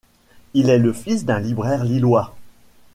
Il est le fils d'un libraire lillois.